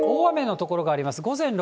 大雨の所があります。